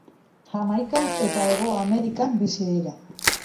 Jamaikan eta Hego Amerikan bizi dira.